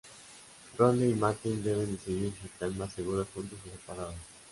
Ronnie y Martin deben decidir si están más seguros juntos o separados.